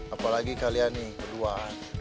apalagi kalian nih berduaan